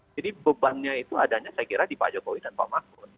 jadi bebannya itu adanya saya kira di pak jokowi dan pak mahfud